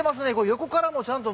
横からもちゃんと。